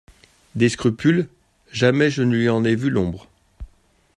«De scrupules, jamais je ne lui en ai vu l'ombre.